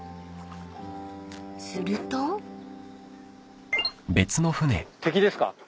［すると］敵ですか？